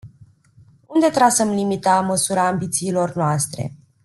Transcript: Unde trasăm limita, măsura ambițiilor noastre?